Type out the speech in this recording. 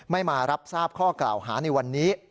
มารับทราบข้อกล่าวหาในวันนี้